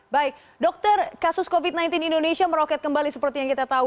baik dokter kasus covid sembilan belas indonesia meroket kembali seperti yang kita tahu